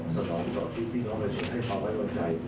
เพื่อสนองต่อที่ที่พี่น้องก็จะได้ฐานไว้บนใจ